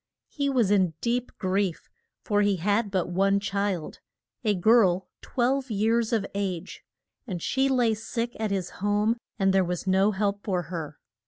He was in deep grief, for he had but one child, a girl twelve years of age, and she lay sick at his home and there was no help for her.